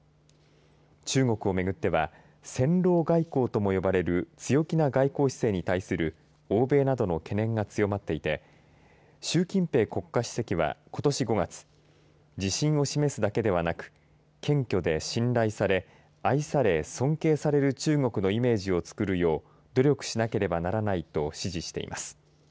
中国をめぐっては戦狼外交とも呼ばれる強気な外交姿勢に対する欧米などの懸念が強まっていて習近平国家主席はことし５月自信を示すだけではなく謙虚で信頼され愛され、尊敬される中国のイメージをつくるよう努力しなければならないと指示しています。